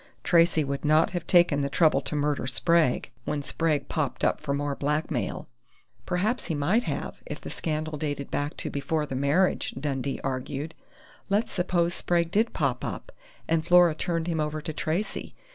Tracey would not have taken the trouble to murder Sprague, when Sprague popped up for more blackmail!" "Perhaps he might have, if the scandal dated back to before the marriage," Dundee argued. "Let's suppose Sprague did pop up, and Flora turned him over to Tracey.